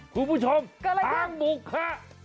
ทุกผู้ชมช้างบกค่ะ